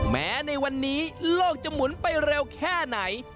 แม้ในวันนี้โลกจะหมุนไปเร็วแค่ไหน